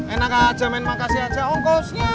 enak aja main main makasih aja ongkosnya